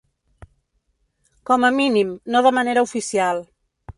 Com a mínim, no de manera oficial.